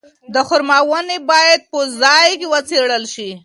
د خورما ونې باید په ځای کې وڅېړل شي.